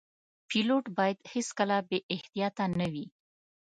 پیلوټ باید هیڅکله بې احتیاطه نه وي.